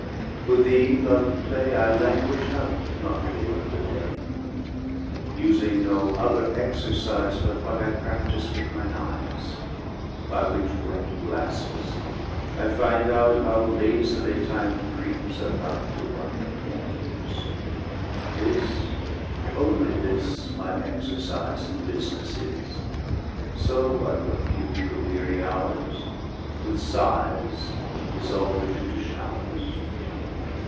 For thee (lov'd clay) I languish out, not live, the day, Using no other exercise But what I practise with mine eyes: By which wet glasses, I find out How lazily time creeps about To one that mourns; this, only this, My exercise and bus'ness is: So I compute the weary hours With sighs dissolved into showers.